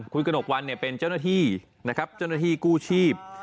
คุณกระหนกวันเนี่ยเป็นเจ้าหน้าที่นะครับเจ้าหน้าที่กู้ชีพ